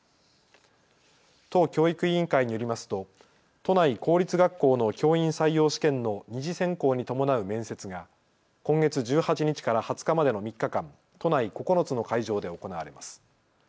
都教育委員会によりますと都内公立学校の教員採用試験の２次選考に伴う面接が今月１８日から２０日までの３日間、都内９つの会場で行われます。